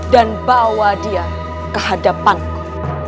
dan bawa dia ke hadapanku